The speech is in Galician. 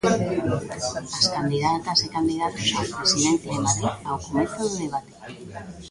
As candidatas e candidatos á Presidencia de Madrid ao comezo do debate.